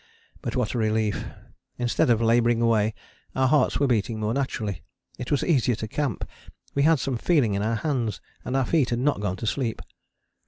But what a relief. Instead of labouring away, our hearts were beating more naturally: it was easier to camp, we had some feeling in our hands, and our feet had not gone to sleep.